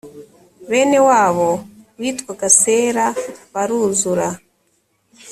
bene wabo witwaga sera baruzura